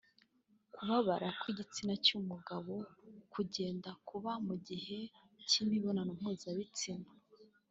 Kubabara kw’igistina cy’umugabo kugenda kuba mu gihe cy’imibonano mpuzabitsina